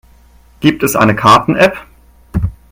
Gibt es eine Karten-App?